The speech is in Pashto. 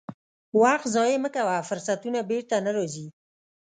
وخت ضایع مه کوه، فرصتونه بیرته نه راځي.